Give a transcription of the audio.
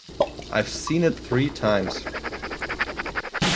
I've seen it three times.